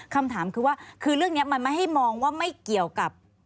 คำถามคือว่าคือเรื่องนี้มันไม่ให้มองว่าไม่เกี่ยวกับ